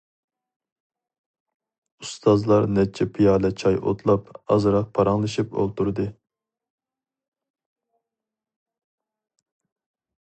ئۇستازلار نەچچە پىيالە چاي ئوتلاپ، ئازراق پاراڭلىشىپ ئولتۇردى.